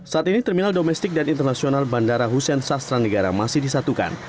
saat ini terminal domestik dan internasional bandara hussein sastra negara masih disatukan